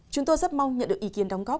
chúng tôi rất mong nhận được ý kiến đóng góp